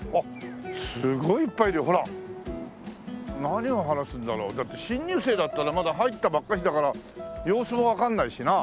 何を話すんだろう？だって新入生だったらまだ入ったばっかしだから様子もわかんないしな。